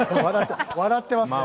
笑ってますね。